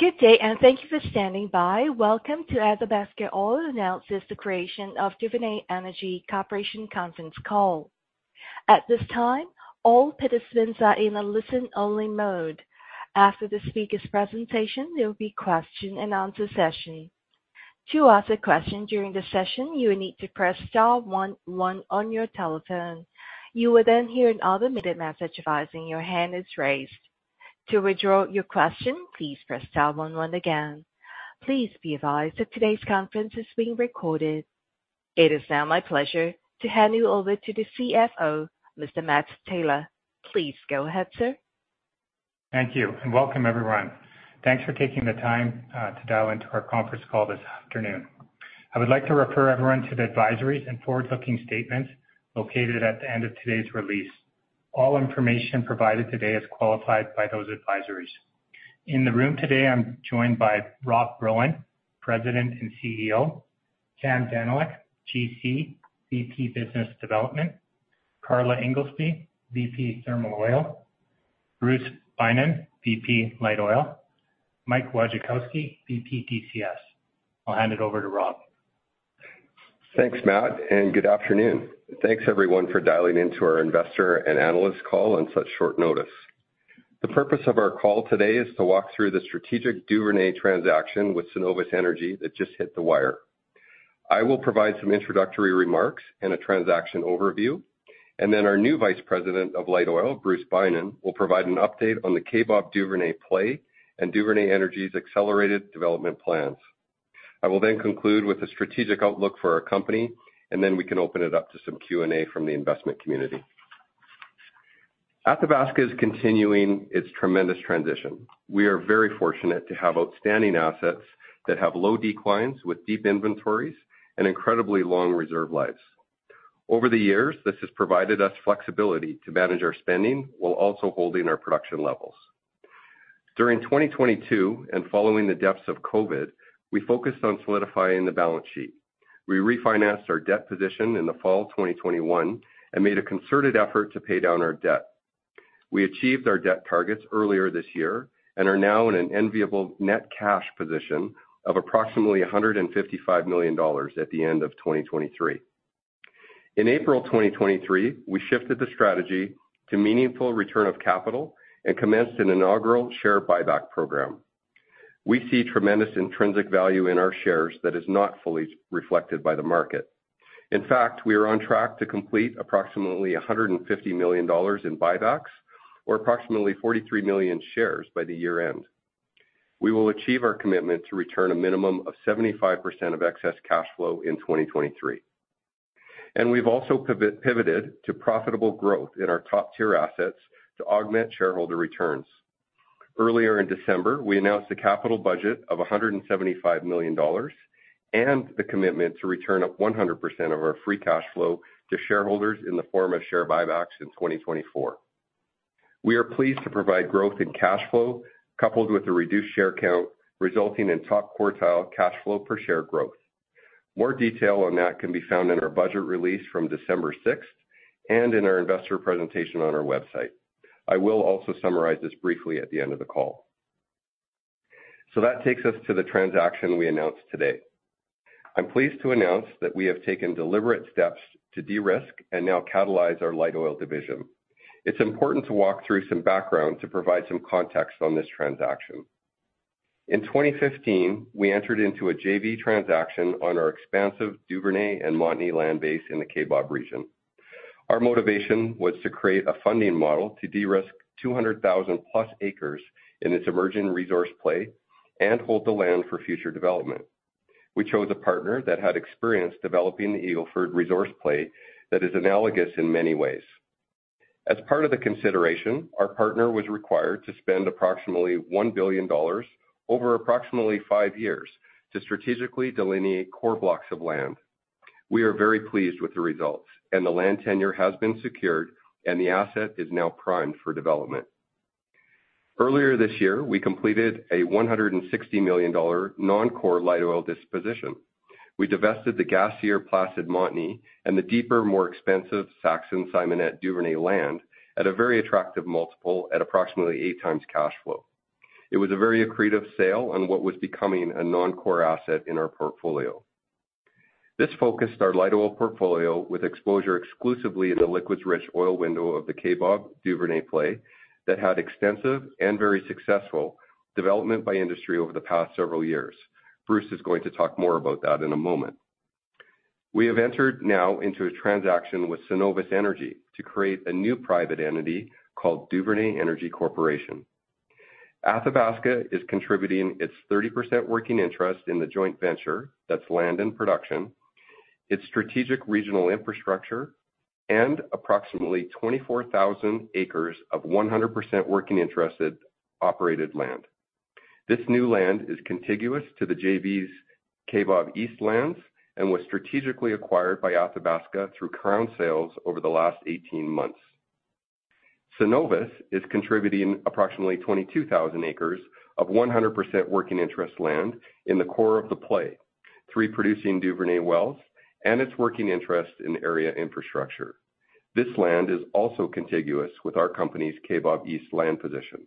Good day, and thank you for standing by. Welcome to Athabasca Oil announces the creation of Duvernay Energy Corporation conference call. At this time, all participants are in a listen-only mode. After the speaker's presentation, there will be question and answer session. To ask a question during the session, you will need to press star one one on your telephone. You will then hear an automated message advising your hand is raised. To withdraw your question, please press star one one again. Please be advised that today's conference is being recorded. It is now my pleasure to hand you over to the CFO, Mr. Matt Taylor. Please go ahead, sir. Thank you, and welcome, everyone. Thanks for taking the time to dial into our conference call this afternoon. I would like to refer everyone to the advisories and forward-looking statements located at the end of today's release. All information provided today is qualified by those advisories. In the room today, I'm joined by Rob Broen, President and CEO; Cam Danyluk, GC, VP Business Development; Karla Ingoldsby, VP Thermal Oil; Bruce Beynon, VP Light Oil; Mike Wojcichowsky, VP D&C. I'll hand it over to Rob. Thanks, Matt, and good afternoon. Thanks, everyone, for dialing into our Investor and Analyst call on such short notice. The purpose of our call today is to walk through the strategic Duvernay transaction with Cenovus Energy that just hit the wire. I will provide some introductory remarks and a transaction overview, and then our new Vice President of Light Oil, Bruce Beynon, will provide an update on the Kaybob Duvernay play and Duvernay Energy's accelerated development plans. I will then conclude with a strategic outlook for our company, and then we can open it up to some Q&A from the investment community. Athabasca is continuing its tremendous transition. We are very fortunate to have outstanding assets that have low declines with deep inventories and incredibly long reserve lives. Over the years, this has provided us flexibility to manage our spending while also holding our production levels. During 2022, and following the depths of COVID, we focused on solidifying the balance sheet. We refinanced our debt position in the fall of 2021 and made a concerted effort to pay down our debt. We achieved our debt targets earlier this year and are now in an enviable net cash position of approximately 155 million dollars at the end of 2023. In April 2023, we shifted the strategy to meaningful return of capital and commenced an inaugural share buyback program. We see tremendous intrinsic value in our shares that is not fully reflected by the market. In fact, we are on track to complete approximately 150 million dollars in buybacks or approximately 43 million shares by the year-end. We will achieve our commitment to return a minimum of 75% of excess cash flow in 2023. We've also pivoted to profitable growth in our top-tier assets to augment shareholder returns. Earlier in December, we announced a capital budget of 175 million dollars and the commitment to return up 100% of our free cash flow to shareholders in the form of share buybacks in 2024. We are pleased to provide growth in cash flow, coupled with a reduced share count, resulting in top-quartile cash flow per share growth. More detail on that can be found in our budget release from December sixth and in our investor presentation on our website. I will also summarize this briefly at the end of the call. That takes us to the transaction we announced today. I'm pleased to announce that we have taken deliberate steps to de-risk and now catalyze our light oil division. It's important to walk through some background to provide some context on this transaction. In 2015, we entered into a JV transaction on our expansive Duvernay and Montney land base in the Kaybob region. Our motivation was to create a funding model to de-risk 200,000+ acres in its emerging resource play and hold the land for future development. We chose a partner that had experience developing the Eagle Ford resource play that is analogous in many ways. As part of the consideration, our partner was required to spend approximately 1 billion dollars over approximately five years to strategically delineate core blocks of land. We are very pleased with the results, and the land tenure has been secured, and the asset is now primed for development. Earlier this year, we completed a 160 million dollar non-core light oil disposition. We divested the gassier Placid Montney and the deeper, more expensive Saxon Simonette Duvernay land at a very attractive multiple at approximately 8x cash flow. It was a very accretive sale on what was becoming a non-core asset in our portfolio. This focused our light oil portfolio with exposure exclusively in the liquids-rich oil window of the Kaybob Duvernay play that had extensive and very successful development by industry over the past several years. Bruce is going to talk more about that in a moment. We have entered now into a transaction with Cenovus Energy to create a new private entity called Duvernay Energy Corporation. Athabasca is contributing its 30% working interest in the joint venture, that's land and production, its strategic regional infrastructure, and approximately 24,000 acres of 100% working interested operated land. This new land is contiguous to the JV's Kaybob East lands and was strategically acquired by Athabasca through crown sales over the last 18 months. Cenovus is contributing approximately 22,000 acres of 100% working interest land in the core of the play, three producing Duvernay wells, and its working interest in area infrastructure.... This land is also contiguous with our company's Kaybob East land position.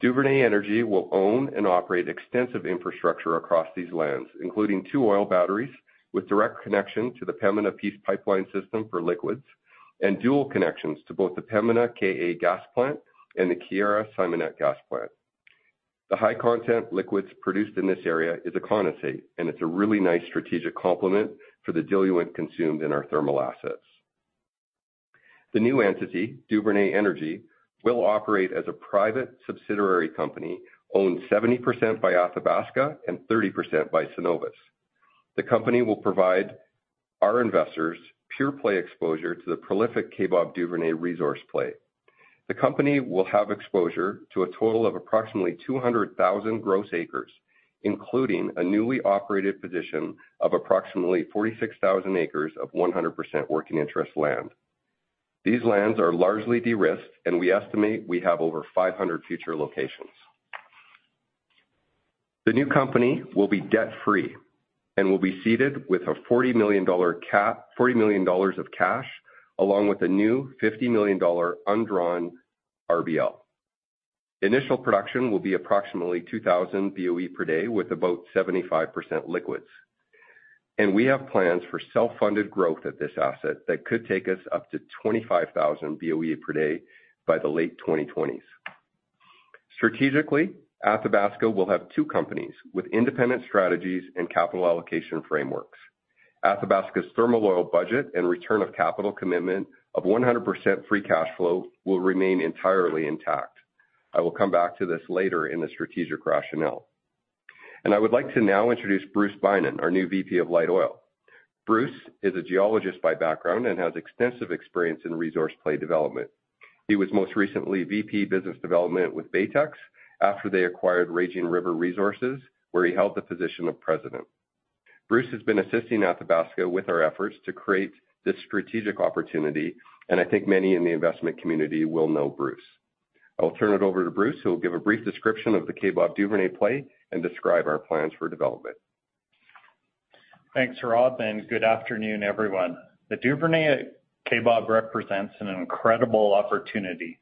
Duvernay Energy will own and operate extensive infrastructure across these lands, including two oil batteries, with direct connection to the Pembina Peace Pipeline system for liquids, and dual connections to both the Pembina KA Gas Plant and the Keyera Simonette Gas Plant. The high content liquids produced in this area is a condensate, and it's a really nice strategic complement for the diluent consumed in our thermal assets. The new entity, Duvernay Energy, will operate as a private subsidiary company, owned 70% by Athabasca and 30% by Cenovus. The company will provide our investors pure-play exposure to the prolific Kaybob Duvernay resource play. The company will have exposure to a total of approximately 200,000 gross acres, including a newly operated position of approximately 46,000 acres of 100% working interest land. These lands are largely de-risked, and we estimate we have over 500 future locations. The new company will be debt-free and will be seeded with a $40 million of cash, along with a new $50 million undrawn RBL. Initial production will be approximately 2,000 BOE per day, with about 75% liquids. We have plans for self-funded growth at this asset that could take us up to 25,000 BOE per day by the late 2020s. Strategically, Athabasca will have two companies with independent strategies and capital allocation frameworks. Athabasca's thermal oil budget and return of capital commitment of 100% free cash flow will remain entirely intact. I will come back to this later in the strategic rationale. I would like to now introduce Bruce Beynon, our new VP of Light Oil. Bruce is a geologist by background and has extensive experience in resource play development. He was most recently VP Business Development with Baytex after they acquired Raging River Exploration, where he held the position of president. Bruce has been assisting Athabasca with our efforts to create this strategic opportunity, and I think many in the investment community will know Bruce. I will turn it over to Bruce, who will give a brief description of the Kaybob Duvernay play and describe our plans for development. Thanks, Rob, and good afternoon, everyone. The Duvernay Kaybob represents an incredible opportunity.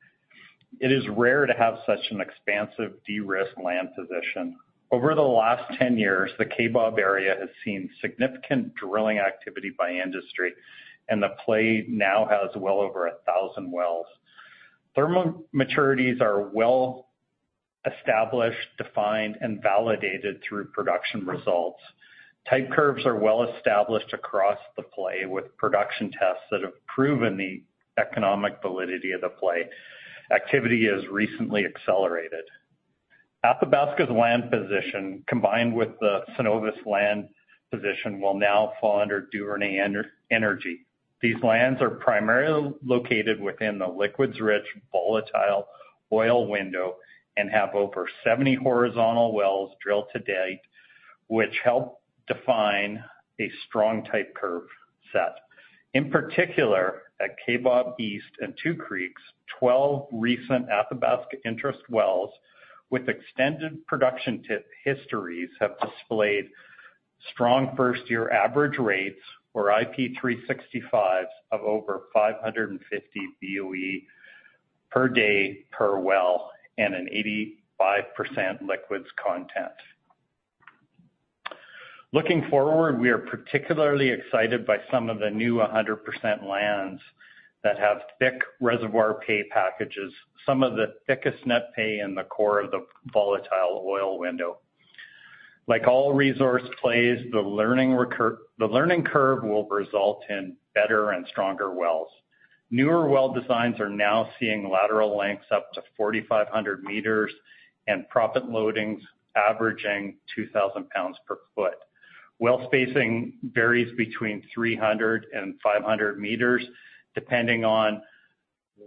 It is rare to have such an expansive, de-risked land position. Over the last 10 years, the Kaybob area has seen significant drilling activity by industry, and the play now has well over 1,000 wells. Thermal maturities are well established, defined, and validated through production results. Type curves are well established across the play, with production tests that have proven the economic validity of the play. Activity has recently accelerated. Athabasca's land position, combined with the Cenovus land position, will now fall under Duvernay Energy. These lands are primarily located within the liquids-rich volatile oil window and have over 70 horizontal wells drilled to date, which help define a strong type curve set. In particular, at Kaybob East and Two Creeks, 12 recent Athabasca interest wells with extended production histories have displayed strong first-year average rates, or IP 365s, of over 550 BOE per day per well, and an 85% liquids content. Looking forward, we are particularly excited by some of the new 100% lands that have thick reservoir pay packages, some of the thickest net pay in the core of the volatile oil window. Like all resource plays, the learning curve will result in better and stronger wells. Newer well designs are now seeing lateral lengths up to 4,500 meters and proppant loadings averaging 2,000 pounds per foot. Well spacing varies between 300 and 500 meters, depending on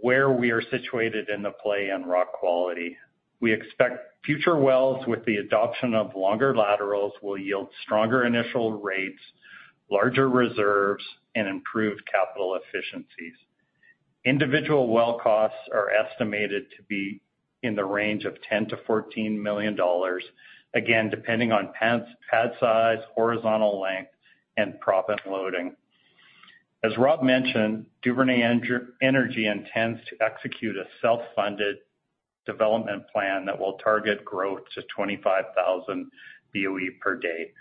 where we are situated in the play and rock quality. We expect future wells with the adoption of longer laterals will yield stronger initial rates, larger reserves, and improved capital efficiencies. Individual well costs are estimated to be in the range of 10 million-14 million dollars, again, depending on pad size, horizontal length, and proppant loading. As Rob mentioned, Duvernay Energy intends to execute a self-funded development plan that will target growth to 25,000 BOE per day,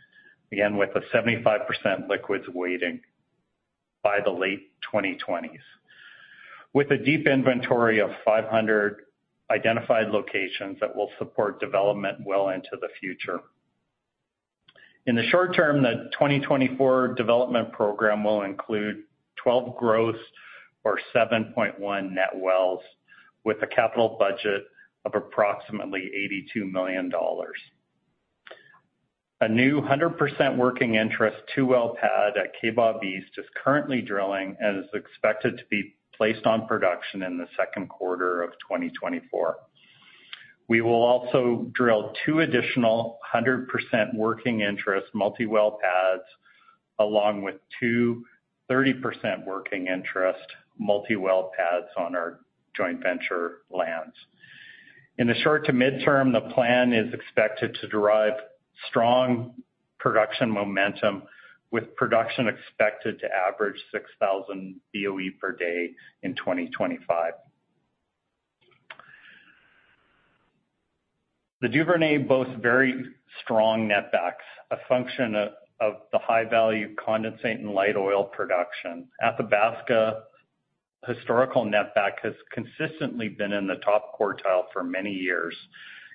again, with a 75% liquids weighting by the late 2020s, with a deep inventory of 500 identified locations that will support development well into the future. In the short term, the 2024 development program will include 12 growth or 7.1 net wells, with a capital budget of approximately 82 million dollars. A new 100% working interest two-well pad at Kaybob East is currently drilling and is expected to be placed on production in the second quarter of 2024. We will also drill two additional 100% working interest multi-well pads, along with two 30% working interest multi-well pads on our joint venture lands. In the short to mid-term, the plan is expected to derive strong production momentum, with production expected to average 6,000 BOE per day in 2025. The Duvernay boasts very strong netbacks, a function of, of the high-value condensate and light oil production. Athabasca historical netback has consistently been in the top quartile for many years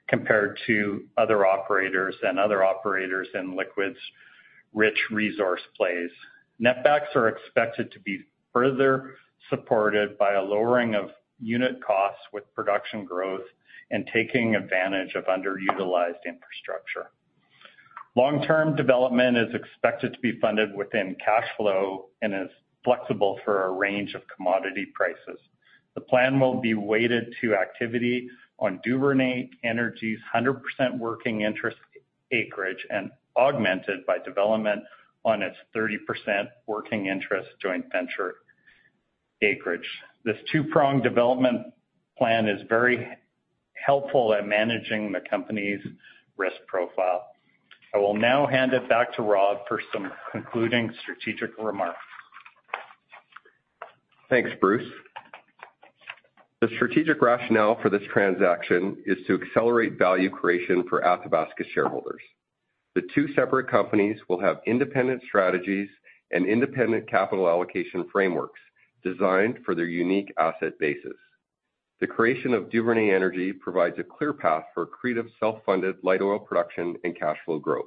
compared to other operators and other operators in liquids-rich resource plays. Netbacks are expected to be further supported by a lowering of unit costs with production growth and taking advantage of underutilized infrastructure. Long-term development is expected to be funded within cash flow and is flexible for a range of commodity prices. The plan will be weighted to activity on Duvernay Energy's 100% working interest acreage and augmented by development on its 30% working interest joint venture acreage. This two-pronged development plan is very helpful at managing the company's risk profile. I will now hand it back to Rob for some concluding strategic remarks. Thanks, Bruce. The strategic rationale for this transaction is to accelerate value creation for Athabasca shareholders. The two separate companies will have independent strategies and independent capital allocation frameworks designed for their unique asset bases. The creation of Duvernay Energy provides a clear path for accretive, self-funded light oil production and cash flow growth.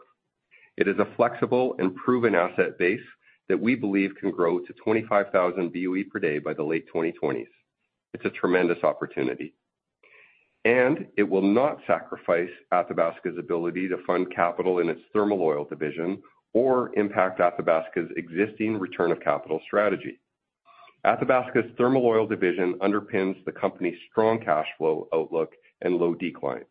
It is a flexible and proven asset base that we believe can grow to 25,000 BOE per day by the late 2020s. It's a tremendous opportunity, and it will not sacrifice Athabasca's ability to fund capital in its thermal oil division or impact Athabasca's existing return of capital strategy. Athabasca's thermal oil division underpins the company's strong cash flow outlook and low decline.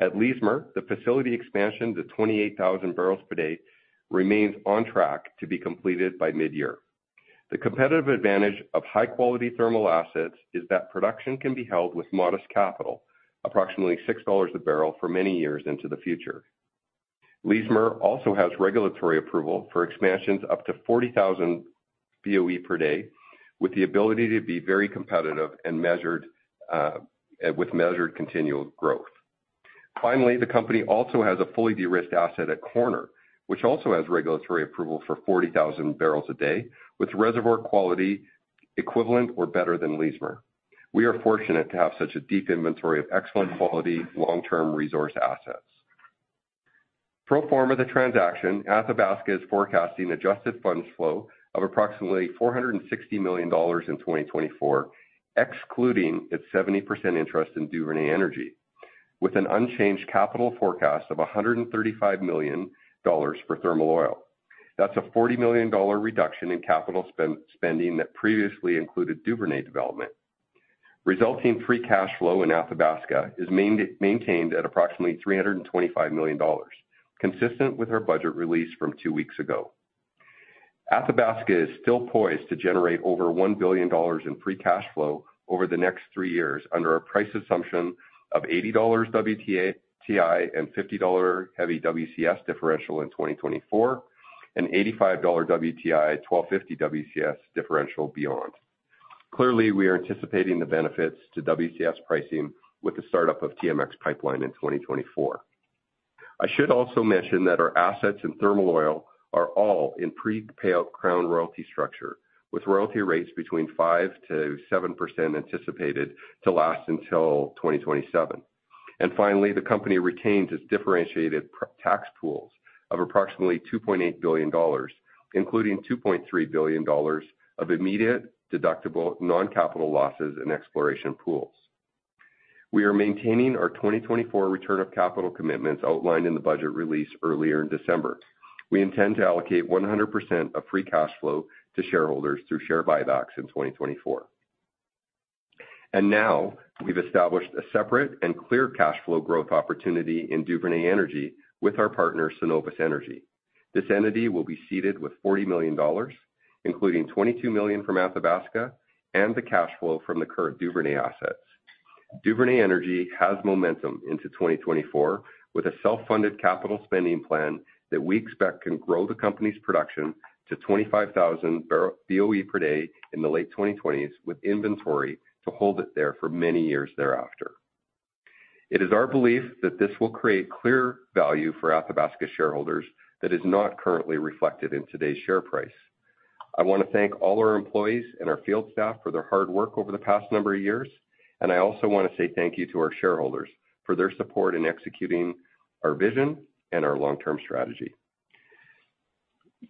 At Leismer, the facility expansion to 28,000 barrels per day remains on track to be completed by midyear. The competitive advantage of high-quality thermal assets is that production can be held with modest capital, approximately 6 dollars a barrel, for many years into the future. Leismer also has regulatory approval for expansions up to 40,000 BOE per day, with the ability to be very competitive and measured with measured continual growth. Finally, the company also has a fully de-risked asset at Corner, which also has regulatory approval for 40,000 barrels a day, with reservoir quality equivalent or better than Leismer. We are fortunate to have such a deep inventory of excellent quality, long-term resource assets. Pro forma, the transaction, Athabasca, is forecasting adjusted funds flow of approximately 460 million dollars in 2024, excluding its 70% interest in Duvernay Energy, with an unchanged capital forecast of 135 million dollars for thermal oil. That's a 40 million dollar reduction in capital spending that previously included Duvernay development. Resulting free cash flow in Athabasca is maintained at approximately 325 million dollars, consistent with our budget release from two weeks ago. Athabasca is still poised to generate over 1 billion dollars in free cash flow over the next three years, under a price assumption of $80 WTI and $50 heavy WCS differential in 2024, and $85 WTI, $12.50 WCS differential beyond. Clearly, we are anticipating the benefits to WCS pricing with the startup of TMX pipeline in 2024. I should also mention that our assets in thermal oil are all in prepaid crown royalty structure, with royalty rates between 5%-7% anticipated to last until 2027. And finally, the company retains its differentiated pre-tax pools of approximately 2.8 billion dollars, including 2.3 billion dollars of immediate deductible non-capital losses in exploration pools. We are maintaining our 2024 return of capital commitments outlined in the budget release earlier in December. We intend to allocate 100% of free cash flow to shareholders through share buybacks in 2024. And now, we've established a separate and clear cash flow growth opportunity in Duvernay Energy with our partner, Cenovus Energy. This entity will be seeded with 40 million dollars, including 22 million from Athabasca and the cash flow from the current Duvernay assets. Duvernay Energy has momentum into 2024, with a self-funded capital spending plan that we expect can grow the company's production to 25,000 BOE per day in the late 2020s, with inventory to hold it there for many years thereafter. It is our belief that this will create clear value for Athabasca shareholders that is not currently reflected in today's share price. I want to thank all our employees and our field staff for their hard work over the past number of years, and I also want to say thank you to our shareholders for their support in executing our vision and our long-term strategy.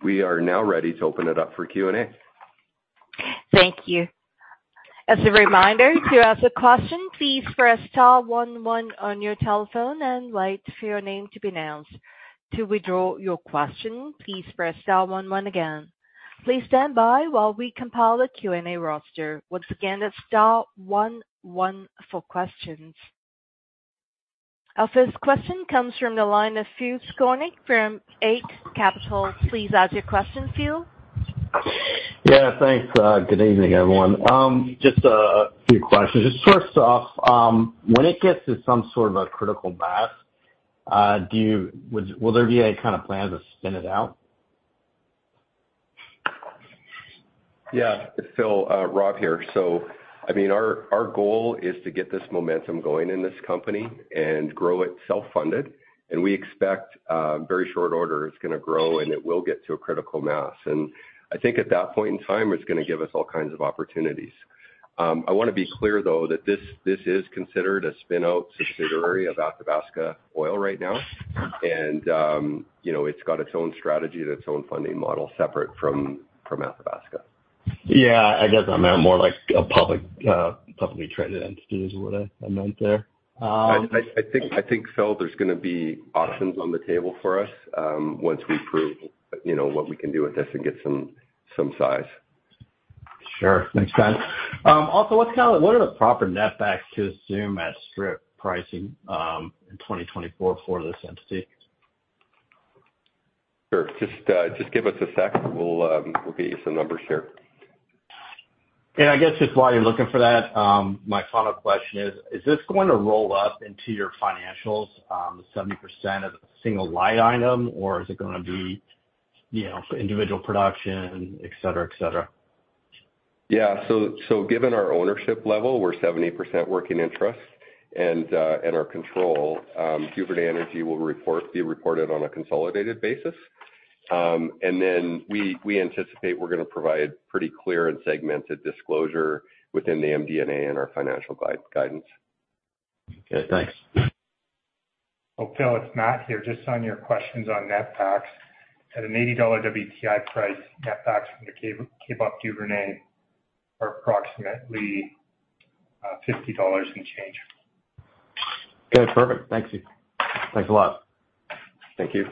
We are now ready to open it up for Q&A. Thank you. As a reminder, to ask a question, please press star one one on your telephone and wait for your name to be announced. To withdraw your question, please press star one one again. Please stand by while we compile a Q&A roster. Once again, that's star one one for questions.... Our first question comes from the line of Phil Skolnick from Eight Capital. Please ask your question, Phil. Yeah, thanks. Good evening, everyone. Just a few questions. Just first off, when it gets to some sort of a critical mass, will there be any kind of plan to spin it out? Yeah, Phil, Rob here. So, I mean, our goal is to get this momentum going in this company and grow it self-funded, and we expect, very short order, it's gonna grow, and it will get to a critical mass. And I think at that point in time, it's gonna give us all kinds of opportunities. I wanna be clear, though, that this is considered a spinout subsidiary of Athabasca Oil right now. And, you know, it's got its own strategy and its own funding model, separate from Athabasca. Yeah, I guess I meant more like a publicly traded entity, is what I meant there. I think, Phil, there's gonna be options on the table for us, once we prove, you know, what we can do with this and get some size. Sure. Makes sense. Also, what are the proper netbacks to assume at strip pricing, in 2024 for this entity? Sure. Just give us a sec, we'll get you some numbers here. I guess just while you're looking for that, my final question is: Is this going to roll up into your financials, 70% as a single line item, or is it gonna be, you know, individual production, et cetera, et cetera? Yeah, so given our ownership level, we're 70% working interest, and our control, Duvernay Energy will be reported on a consolidated basis. And then we anticipate we're gonna provide pretty clear and segmented disclosure within the MD&A and our financial guidance. Okay, thanks. Well, Phil, it's Matt here. Just on your questions on netbacks. At an $80 WTI price, netbacks from the Kaybob Duvernay are approximately fifty dollars and change. Okay, perfect. Thank you. Thanks a lot. Thank you.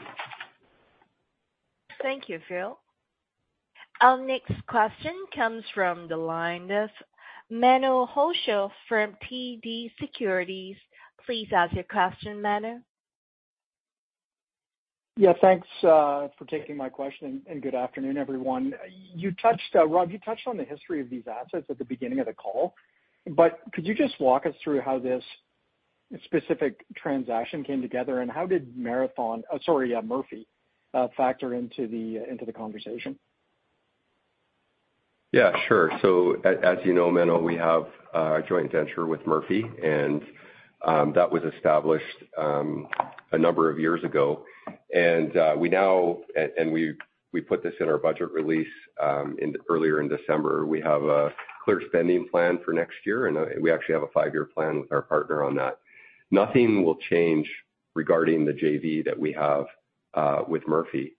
Thank you, Phil. Our next question comes from the line of Menno Hulshof from TD Securities. Please ask your question, Menno. Yeah, thanks for taking my question, and good afternoon, everyone. You touched, Rob, you touched on the history of these assets at the beginning of the call, but could you just walk us through how this specific transaction came together, and how did Marathon, sorry, Murphy factor into the conversation? Yeah, sure. So as you know, Menno, we have a joint venture with Murphy, and that was established a number of years ago. And we now and we, we put this in our budget release in earlier in December. We have a clear spending plan for next year, and we actually have a five-year plan with our partner on that. Nothing will change regarding the JV that we have with Murphy.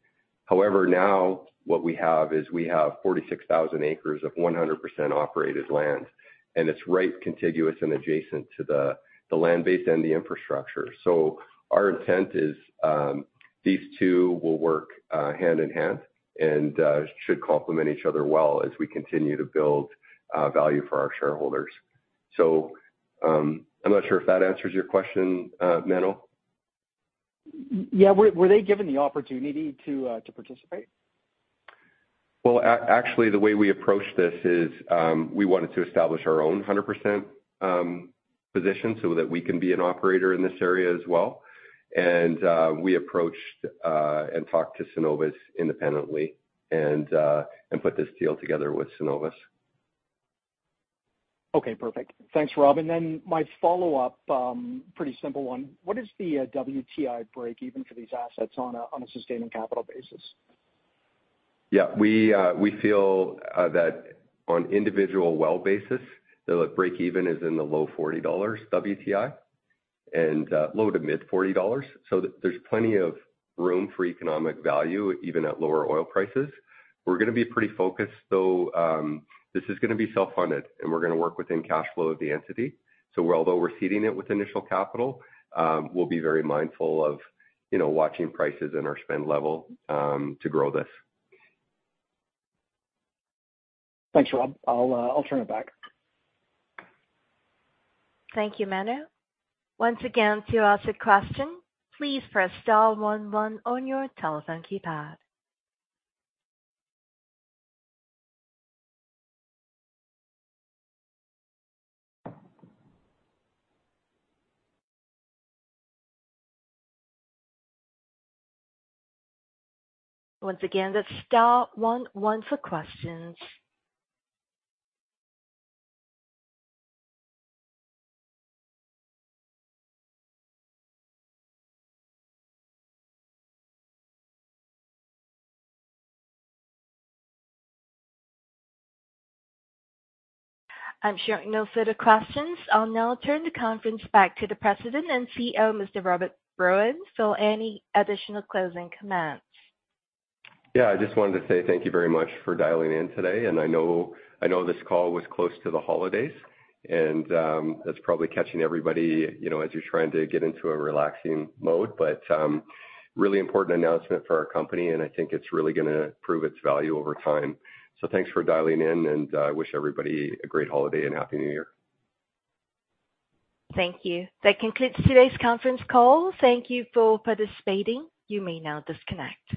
However, now, what we have is we have 46,000 acres of 100% operated land, and it's right contiguous and adjacent to the land base and the infrastructure. So our intent is these two will work hand in hand and should complement each other well as we continue to build value for our shareholders. So, I'm not sure if that answers your question, Menno. Yeah, were they given the opportunity to participate? Well, actually, the way we approached this is, we wanted to establish our own 100% position so that we can be an operator in this area as well. And we approached and talked to Cenovus independently and put this deal together with Cenovus. Okay, perfect. Thanks, Rob. And then my follow-up, pretty simple one: What is the, WTI break even for these assets on a, on a sustaining capital basis? Yeah, we feel that on individual well basis, the break even is in the low $40 WTI, and low to mid $40. So there's plenty of room for economic value, even at lower oil prices. We're gonna be pretty focused, though, this is gonna be self-funded, and we're gonna work within cash flow of the entity. So although we're seeding it with initial capital, we'll be very mindful of, you know, watching prices and our spend level, to grow this. Thanks, Rob. I'll turn it back. Thank you, Menno. Once again, to ask a question, please press star one one on your telephone keypad. Once again, that's star one one for questions. I'm showing no further questions. I'll now turn the conference back to the President and CEO, Mr. Rob Broen. Any additional closing comments? Yeah, I just wanted to say thank you very much for dialing in today, and I know, I know this call was close to the holidays, and it's probably catching everybody, you know, as you're trying to get into a relaxing mode. But really important announcement for our company, and I think it's really gonna prove its value over time. So thanks for dialing in, and I wish everybody a great holiday and happy New Year. Thank you. That concludes today's conference call. Thank you for participating. You may now disconnect.